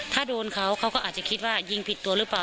ถ้าโดนเขาเขาก็อาจจะคิดว่ายิงผิดตัวหรือเปล่า